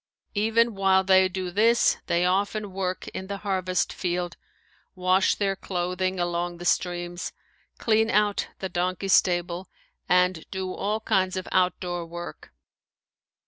Even while they do this they often work in the harvest field, wash their clothing along the streams, clean out the donkey stable, and do all kinds of outdoor work.